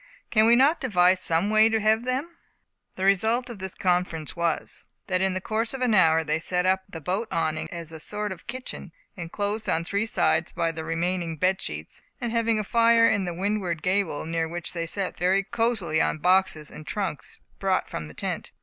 Can we not devise some way to have them?" The result of this conference was, that in the course of an hour they set up the boat awning as a sort of kitchen, enclosed on three sides by the remaining bed sheets, and having a fire at the windward gable, near which they sat very cosily on boxes and trunks brought from the tent.